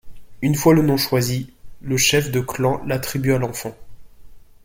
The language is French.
Une fois le nom choisi, le chef de clan l'attribue à l'enfant.